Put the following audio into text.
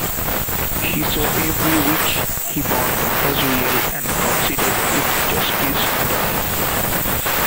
He saw every "witch" he burned as real, and considered it justice done.